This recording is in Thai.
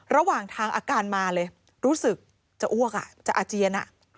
ระหว่างทางอาการมาเลยรู้สึกจะอ้วกจะอาเจียน